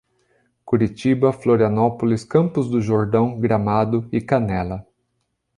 Curitiba, Florianópolis, Campos do Jordão, Gramado e Canela